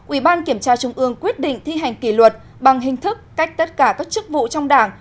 ủy ban kiểm tra trung ương quyết định thi hành kỷ luật bằng hình thức cách tất cả các chức vụ trong đảng